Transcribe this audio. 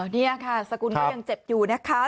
นี่ค่ะสกุลก็ยังเจ็บอยู่นะคะ